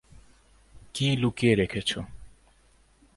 কী লুকিয়ে রেখেছ?